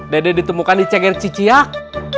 dedeh ditemukan di cgr ciciak